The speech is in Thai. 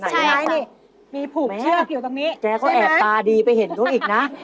ไหนนี่มีผูกเชือกอยู่ตรงนี้ใช่ไหมแม่แจ๊ก็แอบตาดีไปเห็นตัวอีกนะ